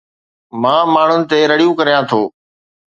مان ماڻهن تي رڙيون ڪريان ٿو